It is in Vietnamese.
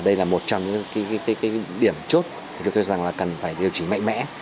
đây là một trong những điểm chốt cho tôi rằng là cần phải điều trí mạnh mẽ